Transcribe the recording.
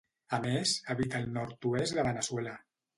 A més, habita al nord-oest de Veneçuela.